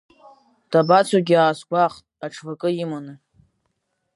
Дабацогьы аасгәахәт, аҽвакы иманы.